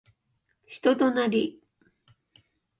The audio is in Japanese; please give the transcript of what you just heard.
人となり